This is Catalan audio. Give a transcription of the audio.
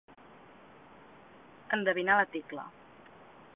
Endevinar la tecla.